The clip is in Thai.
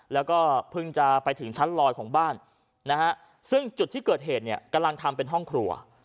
แล้วก็เพิ่งจะไปถึงชั้นลอยของบ้านนะฮะซึ่งจุดที่เกิดเหตุเนี่ยกำลังทำเป็นห้องครัว